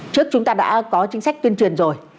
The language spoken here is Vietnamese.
trước chúng ta đã có chính sách tuyên truyền rồi